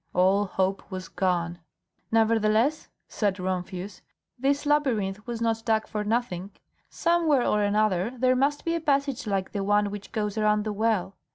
All hope was gone. "Nevertheless," said Rumphius, "this labyrinth was not dug for nothing. Somewhere or another there must be a passage like the one which goes around the well.